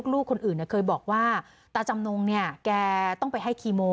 ลูกคนอื่นเคยบอกว่าตาจำนงเนี่ยแกต้องไปให้คีโม